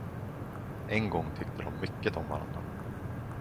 En gång tyckte de mycket om varandra.